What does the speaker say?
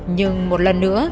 nhưng một lần nữa